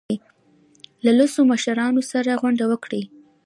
له لسو مشرانو سره غونډه وکړه.